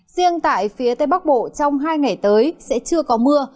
riêng tại phía tây bắc bộ trong hai ngày tới sẽ chưa có mưa